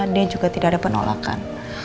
dia juga tidak ada penolakan